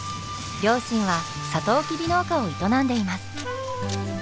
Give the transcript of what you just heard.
両親はサトウキビ農家を営んでいます。